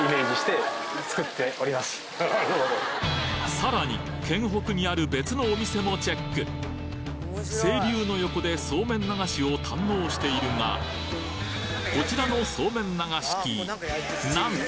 さらに県北にある別のお店もチェック清流の横でそうめん流しを堪能しているがこちらのそうめん流し器なんと！